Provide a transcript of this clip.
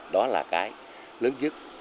đó là cái lớn nhất